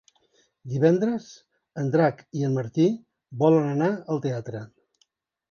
Divendres en Drac i en Martí volen anar al teatre.